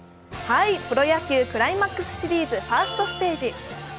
プロ野球クライマックスシリーズ、ファーストステージ。